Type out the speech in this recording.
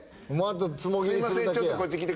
すいません。